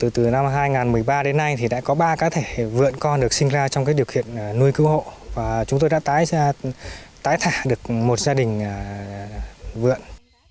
từ năm hai nghìn một mươi ba đến nay thì đã có ba cá thể vượn con được sinh ra trong điều kiện nuôi cứu hộ và chúng tôi đã tái thả được một gia đình vượn